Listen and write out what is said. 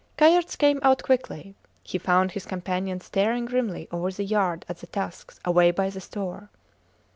Kayerts came out quickly. He found his companion staring grimly over the yard at the tusks, away by the store.